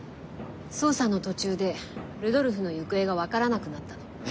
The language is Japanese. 捜査の途中でルドルフの行方が分からなくなったの。え？